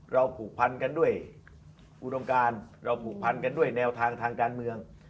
ผูกพันกันด้วยอุดมการเราผูกพันกันด้วยแนวทางทางการเมือง